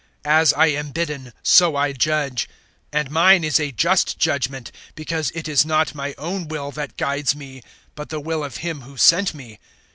As I am bidden, so I judge; and mine is a just judgement, because it is not my own will that guides me, but the will of Him who sent me.